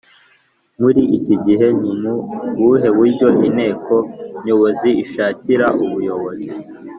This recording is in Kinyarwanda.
Muri iki gihe ni mu buhe buryo Inteko Nyobozi ishakira ubuyobozi